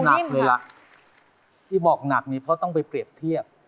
หนักเลยล่ะที่บอกหนักนี่เพราะต้องไปเปรียบเทียบ